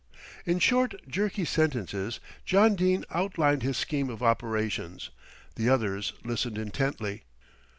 In short, jerky sentences John Dene outlined his scheme of operations, the others listening intently.